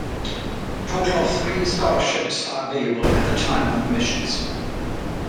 Total of three scholarships are available at the time of admissions.